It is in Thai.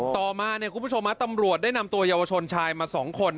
ต่อมาเนี่ยคุณผู้ชมตำรวจได้นำตัวเยาวชนชายมา๒คน